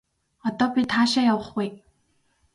Одоо бид хаашаа явах вэ?